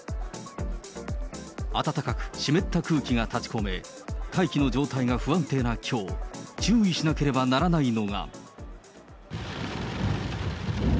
暖かく湿った空気が立ち込め、大気の状態が不安定なきょう、注意しなければならないのが。